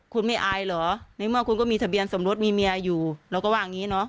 คุณไม่อายเหรอในเมื่อคุณก็มีทะเบียนสมรสมีเมียอยู่เราก็ว่าอย่างนี้เนอะ